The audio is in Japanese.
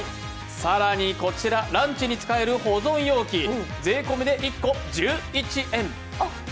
さらにこちら、ランチに使える保存容器、税込みで１個１１円。